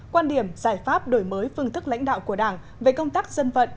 quan điểm giải pháp đổi mới phương thức lãnh đạo của đảng về công tác dân vận